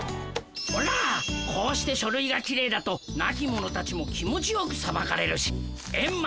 ほらこうしてしょるいがきれいだとなき者たちも気持ちよくさばかれるしエンマ